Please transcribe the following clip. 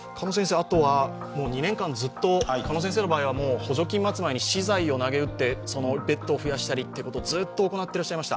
２年間ずっと鹿野先生の場合は補助金を待つまでに私財をなげうってベッドを増やしたりということをずっと行ってこられました。